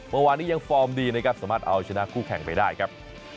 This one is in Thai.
เมื่อวานนี้ยังฟอร์มดีนะครับสามารถเอาชนะคู่แข่งไปได้ครับ